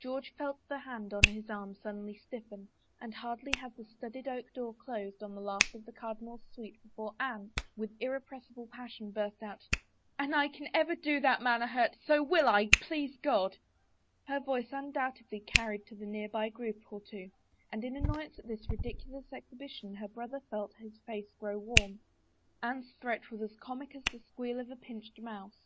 George felt the hand on his arm suddenly stiffen, and hardly had the studded oak door closed on the last of the cardinal's suite before Anne, with irrepressible pas sion, burst out, " An I can ever do that man a hurt, so will I, please God I " Her voice undoubtedly carried to a nearby group or two, and in annoyance at this ridiculous exhibition her 4 31 THE FAVOR OF KINGS brother felt his face grow warm. Anne's threat was as comic as the squeal of a pinched mouse.